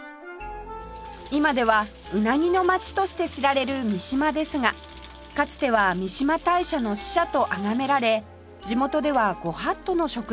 今ではうなぎの街として知られる三島ですがかつては三嶋大社の使者とあがめられ地元では御法度の食材でした